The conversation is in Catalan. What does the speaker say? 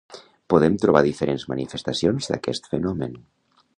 Podem trobar diferents manifestacions d'aquest fenomen.